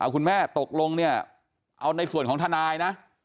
คุณแม่ตกลงเนี่ยเอาในส่วนของทนายนะ